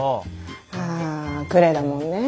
あグレだもんね。